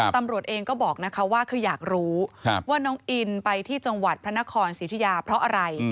ตำรวจเองก็บอกนะคะว่าคืออยากรู้ว่าน้องอินไปที่จังหวัดพระนครสิทธิยาเพราะอะไร